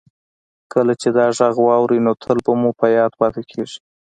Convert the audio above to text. کله چې دا غږ واورئ نو تل مو په یاد پاتې کیږي